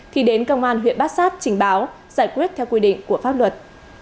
thì đến công an huyện bát sát trình báo giải quyết theo quy định của pháp luật